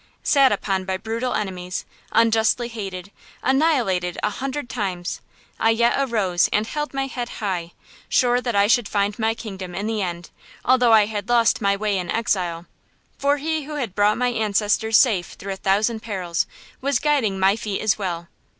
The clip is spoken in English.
Sat upon by brutal enemies, unjustly hated, annihilated a hundred times, I yet arose and held my head high, sure that I should find my kingdom in the end, although I had lost my way in exile; for He who had brought my ancestors safe through a thousand perils was guiding my feet as well.